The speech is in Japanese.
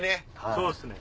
そうですね。